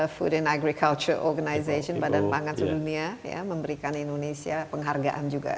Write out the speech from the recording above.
food and agriculture organization badan pangat dunia ya memberikan indonesia penghargaan juga